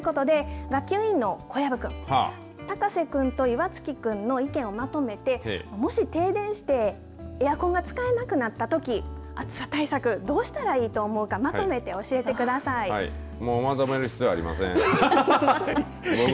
学級委員の小籔くん高瀬くんと岩槻くんの意見をまとめて、もし停電してエアコンが使えなくなったとき暑さ対策どうしたらいいと思うかもうまとめる必要ありません。